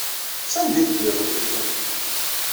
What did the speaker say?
Sanda ay teddiḍ iḍelli?